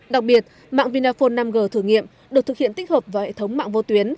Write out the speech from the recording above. đặc biệt mạng vinaphone năm g thử nghiệm được thực hiện tích hợp vào hệ thống mạng vô tuyến